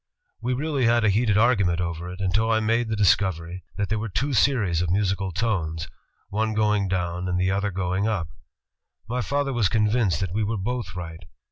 We really had a heated argimient over •. it, until I made the discovery ... that there were two * series of musical tones, one going down and the other going up. My father was convinced that we were both right.